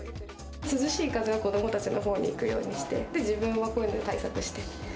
涼しい風は子どもたちのほうにいくようにして、自分はこういうので対策して。